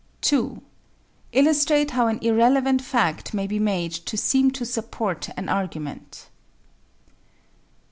2. Illustrate how an irrelevant fact may be made to seem to support an argument.